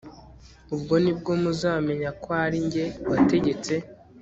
ubwo ni bwo muzamenya ko ari jye wategetse